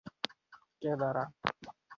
বহু সম্মান ও পুরস্কার লাভ করেছেন।